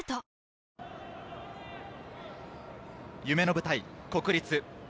夢の舞台・国立。